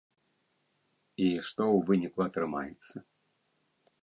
І што ў выніку атрымаецца?